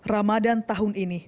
ramadan tahun ini